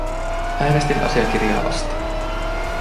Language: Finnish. Äänestin asiakirjaa vastaan.